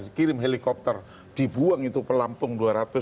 dikirim helikopter dibuang itu pelampung dua ratus